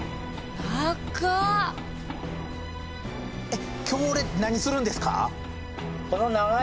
えっ今日俺何するんですか？